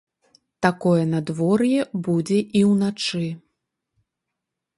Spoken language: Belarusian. Такое надвор'е будзе і ўначы.